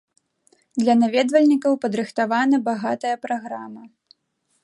Для наведвальнікаў падрыхтавана багатая праграма.